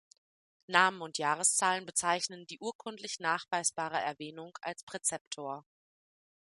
Namen und Jahreszahlen bezeichnen die urkundlich nachweisbare Erwähnung als Präzeptor.